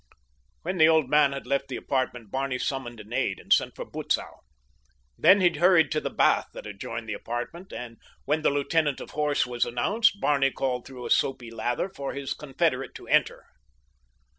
When the old man had left the apartment Barney summoned an aide and sent for Butzow. Then he hurried to the bath that adjoined the apartment, and when the lieutenant of horse was announced Barney called through a soapy lather for his confederate to enter.